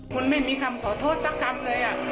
คุณไม่มีคำขอโทษสักคำเลย